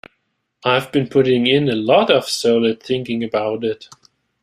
I've been putting in a lot of solid thinking about it.